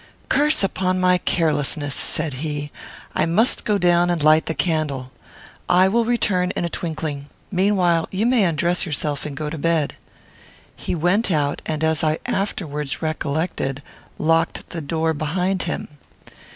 "Curse upon my carelessness!" said he. "I must go down again and light the candle. I will return in a twinkling. Meanwhile you may undress yourself and go to bed." He went out, and, as I afterwards recollected, locked the door behind him.